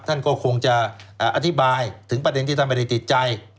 ท่านก็คงจะอธิบายถึงประเด็นที่ท่านไม่ได้ติดใจ